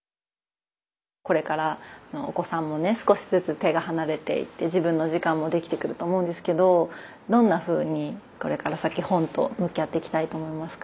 これからお子さんもね少しずつ手が離れていって自分の時間もできてくると思うんですけどどんなふうにこれから先本と向き合っていきたいと思いますか？